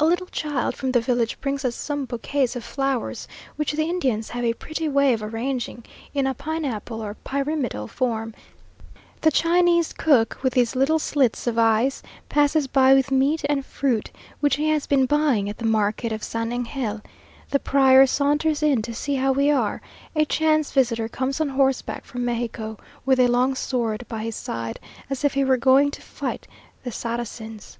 a little child from the village brings us some bouquets of flowers, which the Indians have a pretty way of arranging in a pineapple or pyramidal form; the Chinese cook, with his little slits of eyes, passes by with meat and fruit which he has been buying at the market of San Angel; the prior saunters in to see how we are a chance visitor comes on horseback from Mexico, with a long sword by his side, as if he were going to fight the Saracens.